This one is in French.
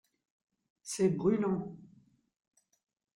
C’est brûlant.